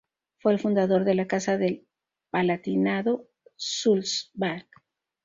Fue el fundador de la Casa del Palatinado-Sulzbach.